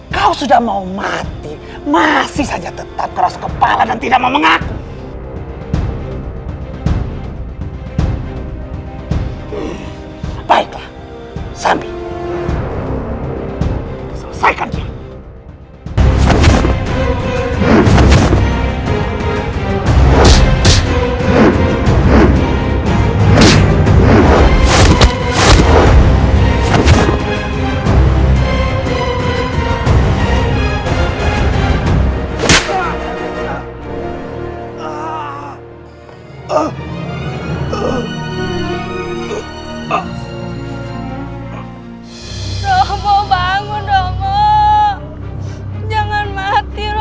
kau sudah mau mati